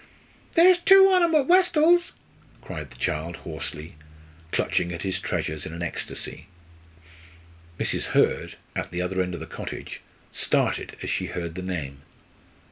"There's two on 'em at Westall's!" cried the child, hoarsely, clutching at his treasures in an ecstasy. Mrs. Hurd, at the other end of the cottage, started as she heard the name.